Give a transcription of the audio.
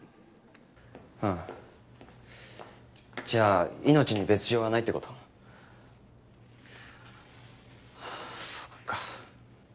じゃあ命に別条はないって事？はあそっか。